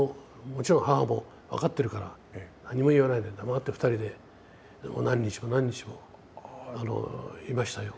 もちろん母も分かってるから何も言わないで黙って２人で何日も何日もいましたよ。